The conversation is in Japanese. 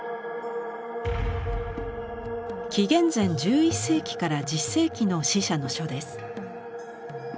紀元前１１世紀から１０世紀の「死者の書」です。